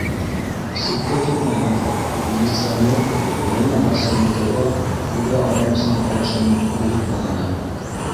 Ситкә китмәгеҙ, - милиционер йәнә Барсынбикәгә күрә алмаусан ҡарашының уғын ҡаҙаны.